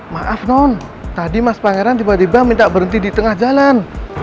maaf non tadi mas pangeran tiba tiba minta berhenti di tengah jalan